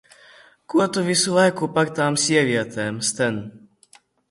Ko tu visu laiku par tām sievietēm, Sten?